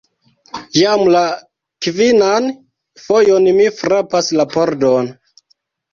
Jam la kvinan fojon mi frapas la pordon!